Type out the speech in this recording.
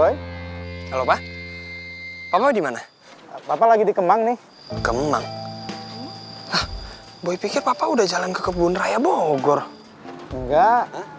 halo pak apa di mana apa lagi di kemang nih kemang boy pikir papa udah jalan ke kebun raya bogor enggak